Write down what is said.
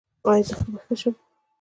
ایا زه به ښه شم؟